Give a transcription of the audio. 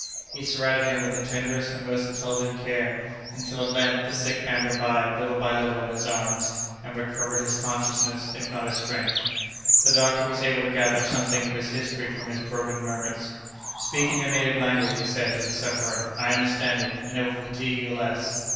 He surrounded him with the tenderest and most intelligent care, until, at length, the sick man revived, little by little, in his arms, and recovered his consciousness if not his strength. The doctor was able to gather something of his history from his broken murmurs. "Speak in your native language," he said to the sufferer; "I understand it, and it will fatigue you less."